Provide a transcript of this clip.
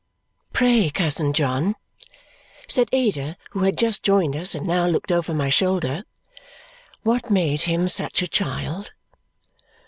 "Pray, cousin John," said Ada, who had just joined us and now looked over my shoulder, "what made him such a child?"